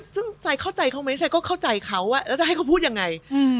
ซึ่งใจเข้าใจเขาไหมชัยก็เข้าใจเขาแล้วจะให้เขาพูดยังไง